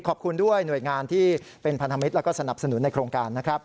ขอบคุณด้วยหน่วยงานที่เป็นพันธมิตรแล้วก็สนับสนุนในโครงการนะครับ